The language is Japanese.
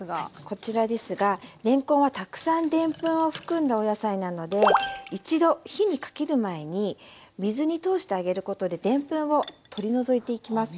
こちらですがれんこんはたくさんでんぷんを含んだお野菜なので一度火にかける前に水に通してあげることででんぷんを取り除いていきます。